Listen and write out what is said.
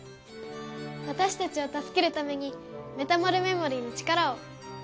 私たちを助けるためにメタモルメモリーに力を。